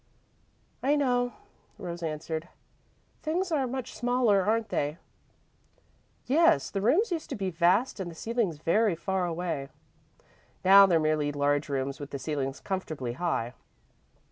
"I know," Rose answered. "Things are much smaller, aren't they?" "Yes. The rooms used to be vast and the ceilings very far away. Now, they're merely large rooms with the ceilings comfortably high.